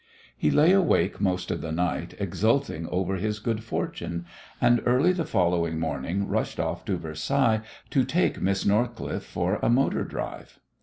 He lay awake most of the night exulting over his good fortune, and early the following morning rushed off to Versailles to take Miss Northcliffe for a motor drive.